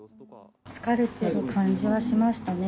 疲れている感じはしましたね。